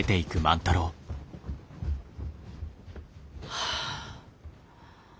はあ。